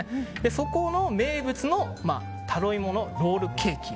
そこの名物のタロイモのロールケーキ。